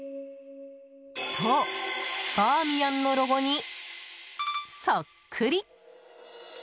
そう、バーミヤンのロゴにそっくり！